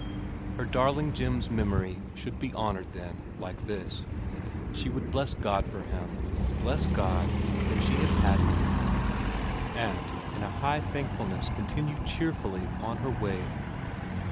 Her darling Jim's memory should be honoured, then, like this : she would bless God for him, bless God that she had had him, and vn VERA 69 in a high thankfulness continue cheerfully on her way.